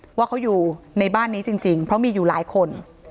ว่าเขาอยู่ในบ้านนี้จริงเพราะมีอยู่หลายคน